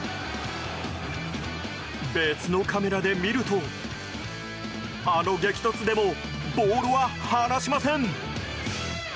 別のカメラで見るとあの激突でもボールは離しません！